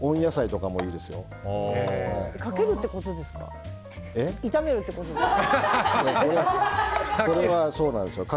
かけるってことですか。